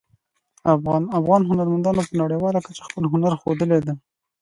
افغان هنرمندانو په نړیواله کچه خپل هنر ښودلی ده